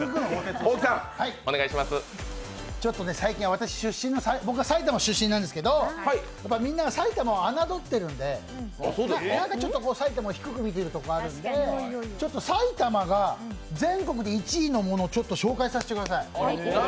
私埼玉出身なんですけどみんな埼玉を侮ってるんで、何かちょっと埼玉を低く見てるところがあるので、埼玉が全国で１位のものを紹介させてください。